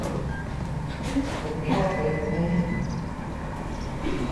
ผมชอบเพจนี้